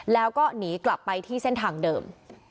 แล้วก็หนีกลับไปที่เส้นทางเดิม